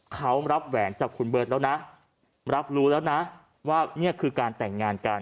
เขารับแหวนจากคุณเบิร์ตแล้วนะรับรู้แล้วนะว่านี่คือการแต่งงานกัน